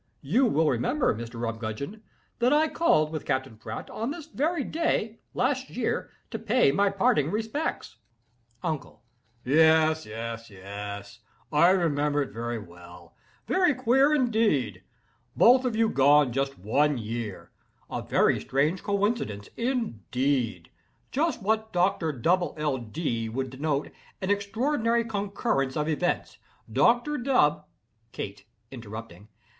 You will remember, Mr. Rumgudgeon, that I called with Capt. Pratol on this very day, last year, to pay my parting respects." UNCLE. "Yes, yes, yes—I remember it very well—very queer indeed! Both of you gone just one year. A very strange coincidence, indeed! Just what Doctor Dubble L. Dee would denominate an extraordinary concurrence of events. Doctor Dub—" KATE. (Interrupting.)